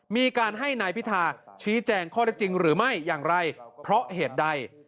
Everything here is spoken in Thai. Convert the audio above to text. มีการให้นายพิธาชี้แจงข้อได้จริงหรือไม่อย่างไรเพราะเหตุใด